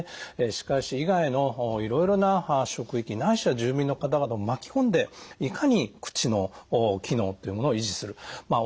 歯科医師以外のいろいろな職域ないしは住民の方々も巻き込んでいかに口の機能っていうものを維持するまあ